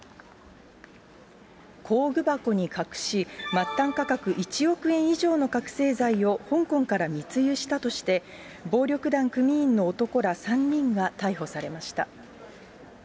工具箱に隠し、末端価格１億円以上の覚醒剤を香港から密輸したとして、暴力団組員の男ら３人が逮捕されました。